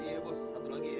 iya pos satu lagi ya